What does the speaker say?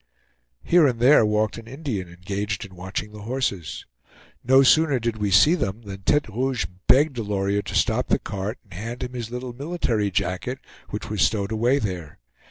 Here and there walked an Indian, engaged in watching the horses. No sooner did we see them than Tete Rouge begged Delorier to stop the cart and hand him his little military jacket, which was stowed away there.